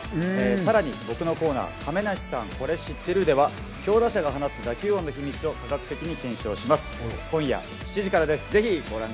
さらに僕のコーナー「亀梨さん、これ知ってる？」では強打者が放つ打球音の秘密を科学的に検証します。